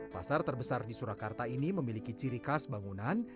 pasar terbesar di surakarta ini memiliki ciri khas bangunan